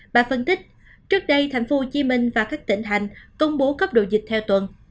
bà phân tích trước đây tp hcm và các tỉnh hành công bố cấp độ dịch theo tuần